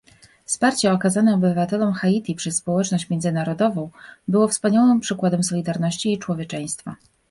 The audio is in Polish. Wsparcie okazane obywatelom Haiti przez społeczność międzynarodową było wspaniałym przykładem solidarności i człowieczeństwa